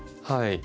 はい。